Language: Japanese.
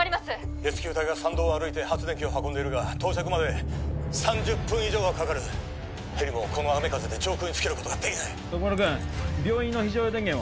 レスキュー隊が山道を歩いて発電機を運んでいるが到着まで３０分以上はかかるヘリもこの雨風で上空につけることができない徳丸君病院の非常用電源は？